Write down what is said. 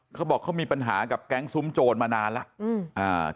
เขาบอกเขามีปัญหากับแก๊งซุ้มโจรมานานแล้วอืมอ่า